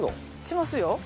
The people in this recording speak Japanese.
しますよ。